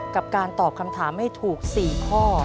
กับการตอบคำถามให้ถูก๔ข้อ